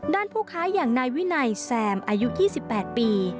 ผู้ค้าอย่างนายวินัยแซมอายุ๒๘ปี